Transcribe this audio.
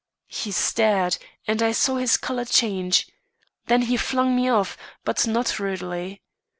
He stared, and I saw his colour change. Then he flung me off, but not rudely.